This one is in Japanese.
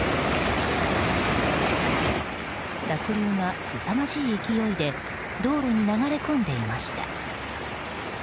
濁流がすさまじい勢いで道路に流れ込んでいました。